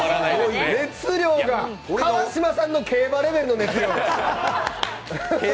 川島さんの競馬レベルの熱量や！